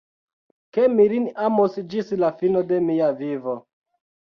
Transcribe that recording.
Ke mi lin amos ĝis la fino de mia vivo.